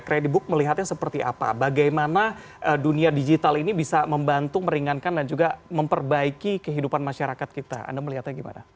kredibook melihatnya seperti apa bagaimana dunia digital ini bisa membantu meringankan dan juga memperbaiki kehidupan masyarakat kita anda melihatnya gimana